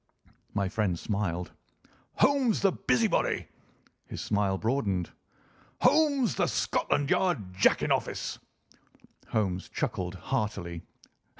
My friend smiled. "Holmes, the busybody!" His smile broadened. "Holmes, the Scotland Yard Jack in office!" Holmes chuckled heartily.